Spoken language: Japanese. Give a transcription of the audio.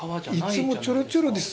いつもちょろちょろです。